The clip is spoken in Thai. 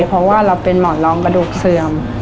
เพราะว่าเราเป็นหมอนรองกระดูกเสื่อม